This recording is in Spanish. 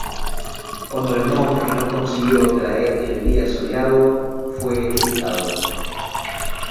Cuando el monje no consiguió traer el día soleado, fue ejecutado.